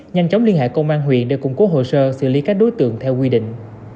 nhanh chóng liên hệ công an huyện để củng cố hồ sơ xử lý các đối tượng theo quy định